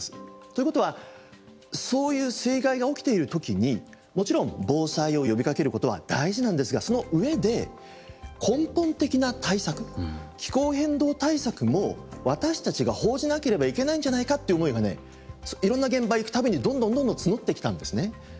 ということはそういう水害が起きているときにもちろん防災を呼びかけることは大事なんですがそのうえで根本的な対策気候変動対策も私たちが報じなければいけないんじゃないかという思いがねいろんな現場へ行くたびにどんどんどんどん募ってきたんですね。